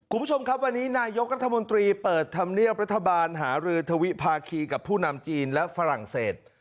คุณผู้ชมครับวันนี้นายกรัฐมนตรีเปิดธรรมเนียบรัฐบาลหารือทวิภาคีกับผู้นำจีนและฝรั่งเศส